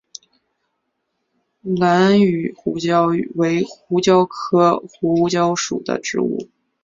兰屿胡椒为胡椒科胡椒属的植物。